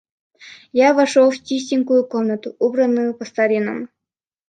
Я вошел в чистенькую комнатку, убранную по-старинному.